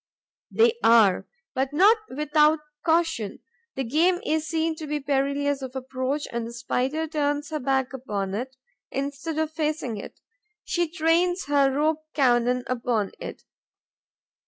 They are, but not without caution. The game is seen to be perilous of approach and the Spider turns her back upon it, instead of facing it; she trains her rope cannon upon it.